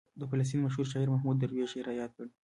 د فلسطین مشهور شاعر محمود درویش یې رایاد کړ.